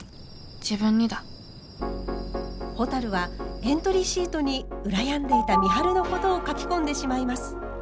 自分にだほたるはエントリーシートに羨んでいた美晴のことを書き込んでしまいます。